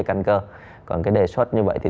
căn cơ còn cái đề xuất như vậy thì